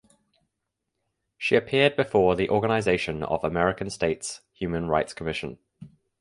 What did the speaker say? She appeared before the Organization of American States Human Rights Commission.